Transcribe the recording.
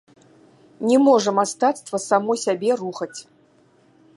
Не можа мастацтва само сябе рухаць.